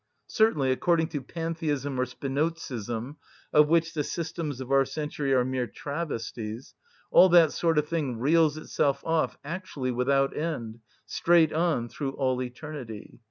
Certainly, according to pantheism or Spinozism, of which the systems of our century are mere travesties, all that sort of thing reels itself off actually without end, straight on through all eternity.